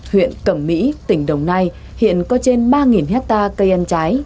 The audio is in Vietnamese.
huyện cẩm mỹ tỉnh đồng nai hiện có trên ba hectare cây ăn trái